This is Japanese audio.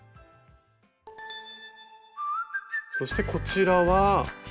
そしてこちらは。